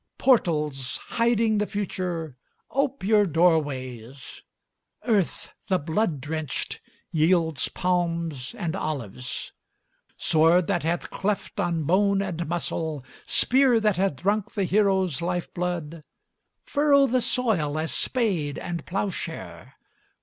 Portals Hiding the Future, ope your doorways! Earth, the blood drenched, yields palms and olives. Sword that hath cleft on bone and muscle, Spear that hath drunk the hero's lifeblood, Furrow the soil, as spade and ploughshare.